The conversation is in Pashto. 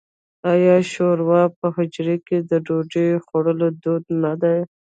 آیا شوروا په حجرو کې د ډوډۍ خوړلو دود نه دی؟